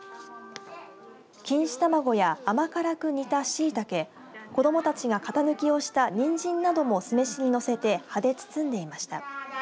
錦糸卵や甘辛く煮たシイタケ子どもたちが型抜きをしたニンジンなども酢飯にのせて葉で包んでいました。